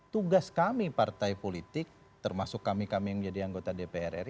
tugas kami partai politik termasuk kami kami yang menjadi anggota dpr ri